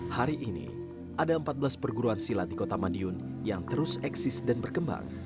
hari ini ada empat belas perguruan silat di kota madiun yang terus eksis dan berkembang